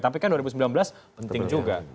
tapi kan dua ribu sembilan belas penting juga